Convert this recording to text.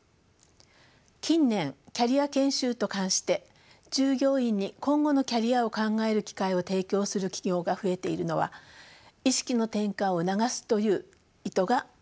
近年キャリア研修と冠して従業員に今後のキャリアを考える機会を提供する企業が増えているのは意識の転換を促すという意図が背景にあります。